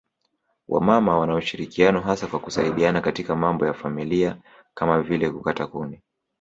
Wamama wana ushirikiano hasa kwa kusaidiana katika mambo ya familia kama vile kukata kuni